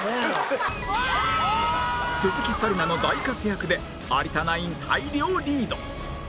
鈴木紗理奈の大活躍で有田ナイン大量リード